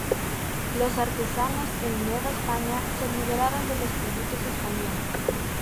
Los artesanos en Nueva España se libraron de los tributos españoles.